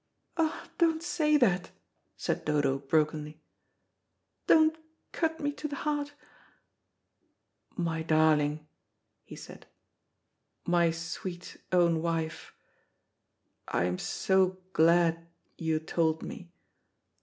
"Ah, don't say that," said Dodo brokenly; "don't cut me to the heart." "My darling," he said, "my sweet own wife, I am so glad you told me.